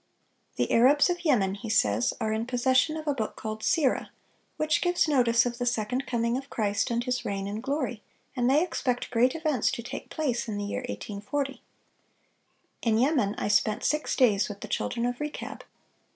The Arabs of Yemen, he says, "are in possession of a book called 'Seera,' which gives notice of the second coming of Christ and His reign in glory; and they expect great events to take place in the year 1840."(603) "In Yemen ... I spent six days with the children of Rechab.